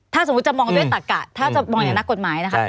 ถ้าสมมุติจะมองด้วยตักกะถ้าจะมองในนักกฎหมายนะคะ